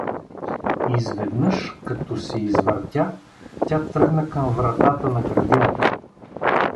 Изведнъж, като се извъртя, тя тръгна към вратата на градината.